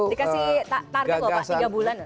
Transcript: dikasih target loh pak tiga bulan